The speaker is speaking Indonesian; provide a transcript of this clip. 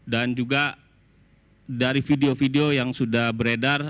dan juga dari video video yang sudah beredar